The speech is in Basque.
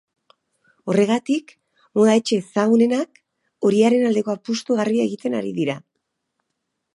Horregatik, moda etxe ezagunenak horiaren aldeko apustu garbia egiten ari dira.